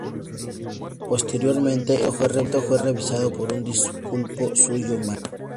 Posteriormente el concepto fue revisado por un discípulo suyo, Max.